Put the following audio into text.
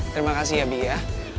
terima kasih ya bi ya